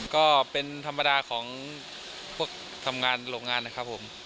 ก็เป็นธรรมดาของพวกทำงานโรงงานนะครับผม